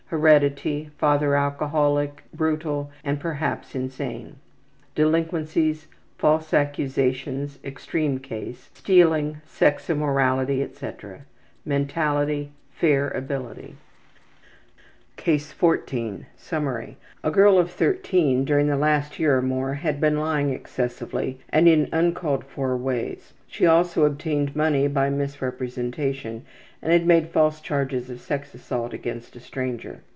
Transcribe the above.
Heredity: Father alcoholic, brutal, and perhaps insane. Delinquencies: Mentality: False accusations. (Extreme case.) Fair ability. Stealing. Sex immorality, etc. CASE 14 Summary: A girl of 13 during the last year or more had been lying excessively and in uncalled for ways. She also obtained money by misrepresentations and had made false charges of sex assault against a stranger.